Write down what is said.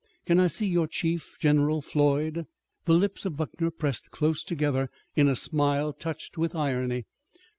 "Can I see your chief, General Floyd?" The lips of Buckner pressed close together in a smile touched with irony.